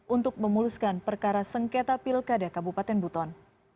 untuk memuluskan perkara sengketa pilkada kabupaten buton